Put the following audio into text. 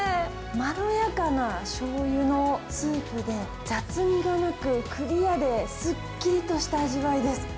まろやかなしょうゆのスープで、雑みがなく、クリアで、すっきりとした味わいです。